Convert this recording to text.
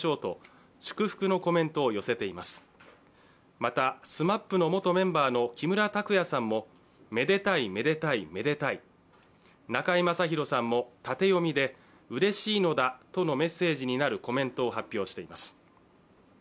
また、ＳＭＡＰの元メンバーの木村拓哉さんも中居正広さんも縦読みで「うれしいのだ」とのメッセージになるコメントを発表しています。